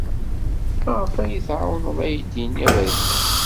Maɣef ay tɛawned aydi-nni aberkan?